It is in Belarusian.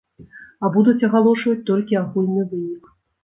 А будуць агалошваць толькі агульны вынік.